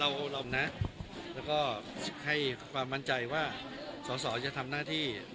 เราอบรมนะแล้วก็ให้ความบ้านใจว่าสาวจะทำหน้าที่